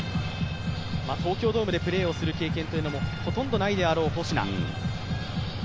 東京ドームでプレーするという経験もほとんどないであろう保科。